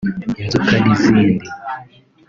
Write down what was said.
inzoka n’izindi